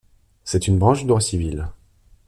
C'est une branche du droit civil.